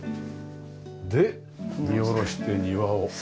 で見下ろして庭を。